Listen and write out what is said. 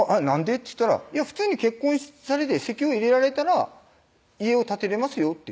っつったら「普通に結婚されて籍を入れられたら家を建てれますよ」って